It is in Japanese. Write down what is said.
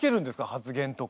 発言とか。